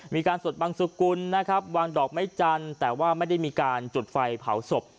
สวดบังสุกุลนะครับวางดอกไม้จันทร์แต่ว่าไม่ได้มีการจุดไฟเผาศพ